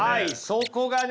そこがね